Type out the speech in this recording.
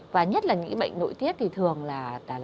và nhất là những bệnh nội tiết thì thường là